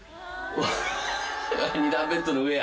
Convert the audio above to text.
ハハハ２段ベッドの上や。